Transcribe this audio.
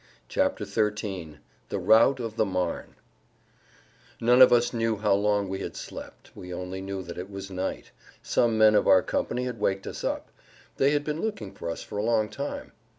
[Pg 99] XIII THE ROUT OF THE MARNE None of us knew how long we had slept; we only knew that it was night. Some men of our company had waked us up. They had been looking for us for a long time.